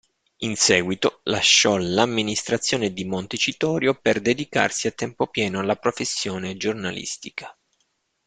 In seguito, lasciò l'amministrazione di Montecitorio per dedicarsi a tempo pieno alla professione giornalistica.